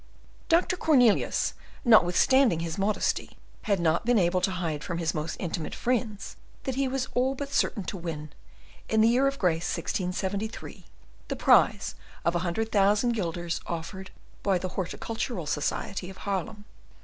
Dr. Cornelius, notwithstanding all his modesty, had not been able to hide from his most intimate friends that he was all but certain to win, in the year of grace 1673, the prize of a hundred thousand guilders offered by the Horticultural Society of Haarlem.